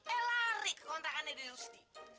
eh lari ke kontrakannya dia justi